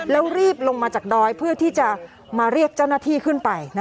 แล้วรีบลงมาจากดอยเพื่อที่จะมาเรียกเจ้าหน้าที่ขึ้นไป